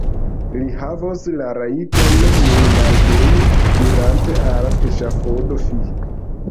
Li havos la rajton nin malbeni, irante al eŝafodo: fi!